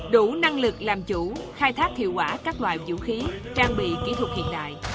đủ năng lực làm chủ khai thác hiệu quả các loại vũ khí trang bị kỹ thuật hiện đại